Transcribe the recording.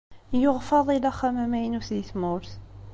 Yuɣ Faḍil axxam amaynut di tmurt.